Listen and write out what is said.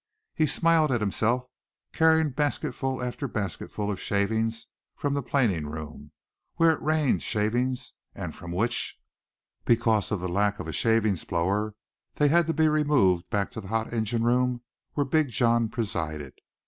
He smiled at himself carrying basketful after basketful of shavings from the planing room, where it rained shavings and from which, because of the lack of a shaving blower, they had to be removed back to the hot engine room where Big John presided.